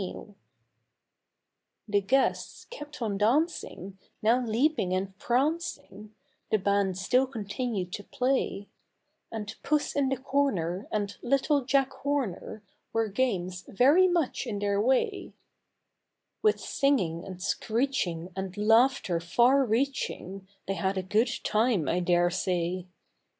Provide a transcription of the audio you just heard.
64 THE THREE LITTLE KITTENS The guests kept on dancing, now leaping and prancing; The band still continued to play ; And " Puss in the corner," and " Little Jack Horner," Were games very much in their way ; 65 THE THREE LITTLE KITTENS. With singing and screeching, And laughter far reaching, They had a good time, I daresay.